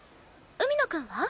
海野くんは？